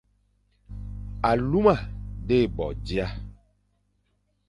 Aluma dé bo dia,